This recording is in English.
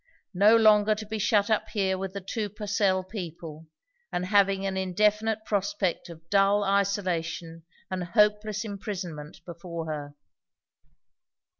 No longer to be shut up here with the two Purcell people, and having an indefinite prospect of dull isolation and hopeless imprisonment before her.